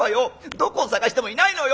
どこを捜してもいないのよ！」。